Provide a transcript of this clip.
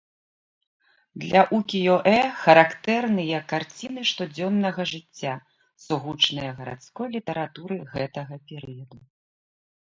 Для укіё-э характэрныя карціны штодзённага жыцця, сугучныя гарадской літаратуры гэтага перыяду.